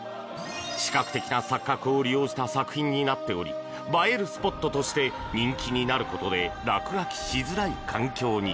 視覚的な錯覚を利用した作品になっており映えるスポットとして人気になることで落書きしづらい環境に。